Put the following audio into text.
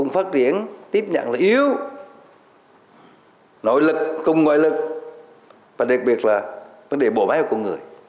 phát triển tiếp nhận là yếu nội lực cùng ngoại lực và đặc biệt là vấn đề bộ máy của con người